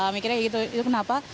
mikirnya itu kenapa